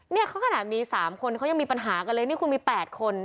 เนี่ยเขาขนาดมี๓คนเขายังมีปัญหากันเลยนี่คุณมี๘คน